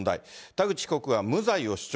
田口被告は無罪を主張。